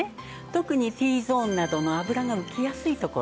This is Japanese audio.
特にＴゾーンなどの脂が浮きやすいところ。